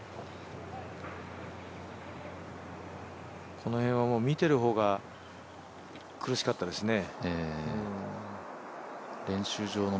この辺はもう見ている方が苦しかったですね。